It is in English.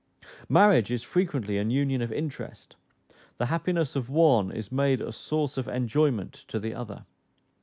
Marriage is frequently an union of interest: the happiness of one is made a source of enjoyment to the other.